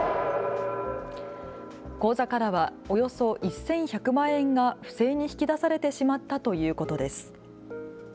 口座からはおよそ１１００万円が不正に引き出されてしまったということです。